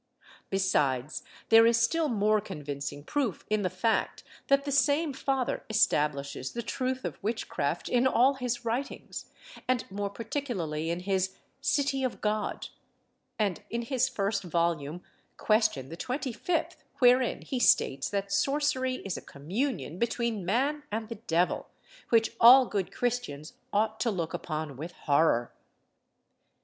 Besides, there is still more convincing proof in the fact, that the same father establishes the truth of witchcraft in all his writings, and more particularly in his City of God; and in his first volume, question the 25th, wherein he states that sorcery is a communion between man and the devil, which all good Christians ought to look upon with horror.